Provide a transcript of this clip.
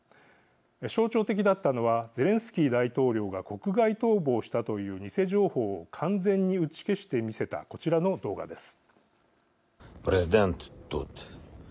象徴的だったのはゼレンスキー大統領が国外逃亡したという偽情報を完全に打ち消して見せたこちらの動画です。